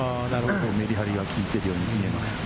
メリハリが効いてるように見えます。